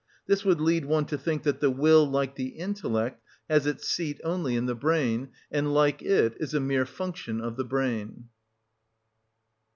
This would lead one to think that the will, like the intellect, has its seat only in the brain, and, like it, is a mere function of the brain.